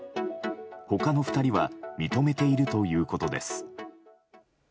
他の２人は認めているということです。